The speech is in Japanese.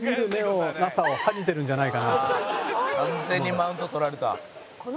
「完全にマウント取られた」